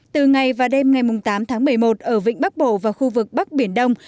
từ ngày và đêm ngày tám tháng một mươi một ở vịnh bắc bộ và khu vực bắc biển đông